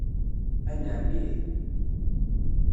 Anɛam, ih.